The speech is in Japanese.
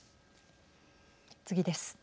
次です。